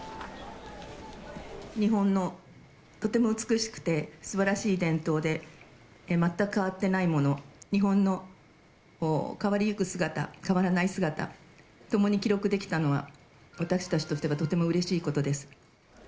日本のとても美しくてすばらしい伝統で、全く変わってないもの、日本の変わりゆく姿、変わらない姿、ともに記録できたのは、私たちとしてもとてもうれしいことです。